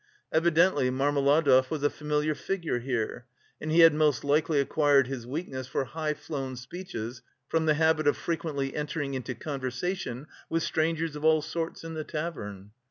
Evidently Marmeladov was a familiar figure here, and he had most likely acquired his weakness for high flown speeches from the habit of frequently entering into conversation with strangers of all sorts in the tavern.